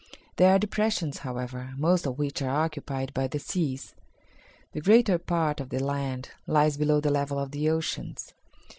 There are depressions, however, most of which are occupied by the seas. The greater part of the land lies below the level of the oceans.